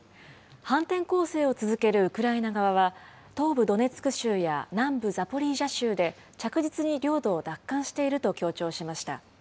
反転攻勢を続けるウクライナ側は、東部ドネツク州や南部ザポリージャ州で着実に領土を奪還していると強調しました。